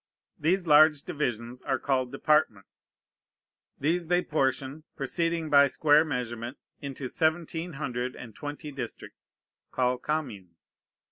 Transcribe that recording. These large divisions are called Departments. These they portion, proceeding by square measurement, into seventeen hundred and twenty districts, called Communes.